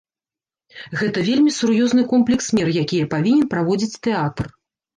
Гэта вельмі сур'ёзны комплекс мер якія павінен праводзіць тэатр.